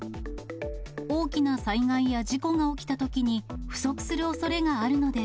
大きな災害や事故が起きたときに、不足するおそれがあるのです。